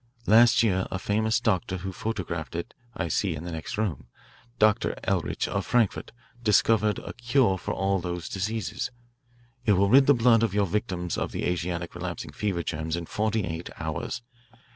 Last year a famous doctor whose photograph I see in the next room, Dr. Ehrlich of Frankfort, discovered a cure for all these diseases. It will rid the blood of your victims of the Asiatic relapsing fever germs in forty eight hours.